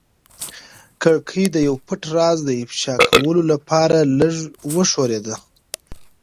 کړکۍ د یو پټ راز د افشا کولو لپاره لږه وښورېده.